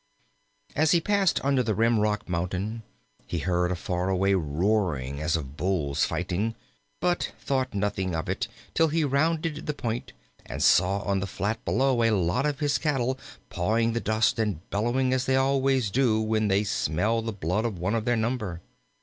As he passed under the Rimrock Mountain he heard a far away roaring as of Bulls fighting, but thought nothing of it till he rounded the point and saw on the flat below a lot of his cattle pawing the dust and bellowing as they always do when they smell the blood of one of their number.